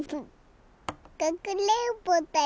かくれんぼだよ！